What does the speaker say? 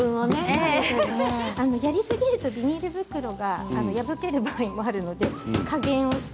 やりすぎるとビニール袋が破れる場合がありますので加減して。